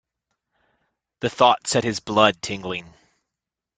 The thought set his blood tingling.